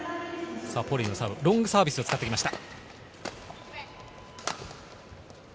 ポリイのサーブ、ロングサービスを使ってきました。